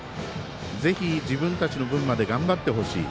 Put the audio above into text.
ぜひ、自分たちの分まで頑張ってほしい。